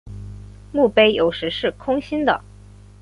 墓碑有时是空心的。